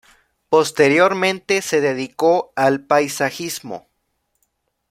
Posteriormente se dedicó al paisajismo.